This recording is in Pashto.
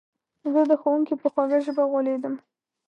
زه د ښوونکي په خوږه ژبه وغولېدم